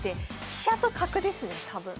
飛車と角ですね多分。